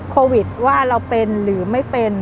โควิดว่าเราเป็นหรือไม่เป็น